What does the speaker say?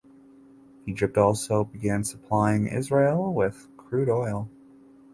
Egypt also began supplying Israel with crude oil.